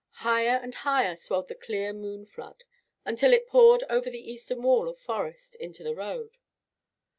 Higher and higher swelled the clear moon flood, until it poured over the eastern wall of forest into the road.